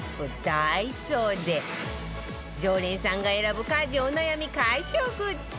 ダイソーで常連さんが選ぶ家事お悩み解消グッズ